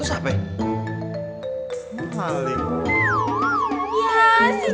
jangan kopi ardh kuti